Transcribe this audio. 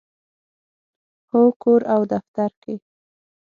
هو، کور او دفتر کې